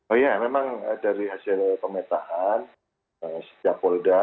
oh iya memang dari hasil pemetaan setiap polda